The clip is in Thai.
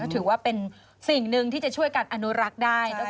ถือว่าเป็นสิ่งหนึ่งที่จะช่วยกันอนุรักษ์ได้